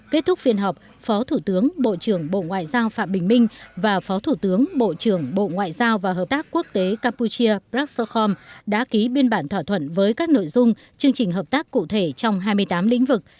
kết thúc phiên họp phó thủ tướng bộ trưởng bộ ngoại giao phạm bình minh và phó thủ tướng bộ trưởng bộ ngoại giao và hợp tác quốc tế campuchia prakshokham đã ký biên bản thỏa thuận với các nội dung chương trình hợp tác cụ thể trong hai mươi tám lĩnh vực